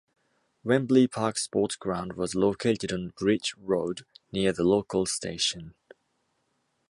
Wembley Park Sports Ground was located on Bridge Road, near the local station.